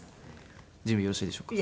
準備よろしいでしょうか。